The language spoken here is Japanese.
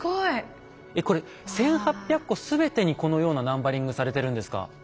えっこれ１，８００個全てにこのようなナンバリングされてるんですか？